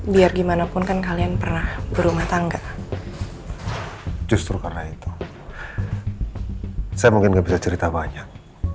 biar gimana pun kan kalian pernah berumah tangga justru karena itu saya mungkin nggak bisa cerita banyak